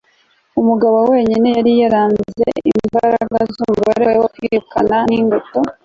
umugabo wenyine yari yaranze imbaraga z'umugore we wo kwirukana ni ngotho